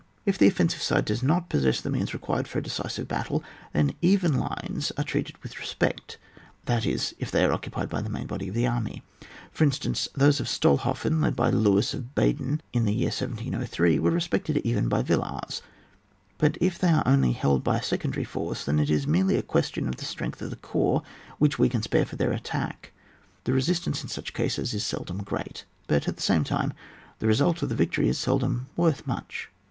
If the offensive side does not possess the means required for a decisive battle, then even lines are treated with respect, that is, if they are occupied by the main body of an army; for instance, those of StoUhofen, held by Louis of Baden in the year 1703, were respected even by Villars. But if they are only held by a secondary force, then it is merely a question of the streng^ of the corps which we can spare for their attack. The resistance in such cases is seldom great, but at the same time the result of the victory is seldom worth much.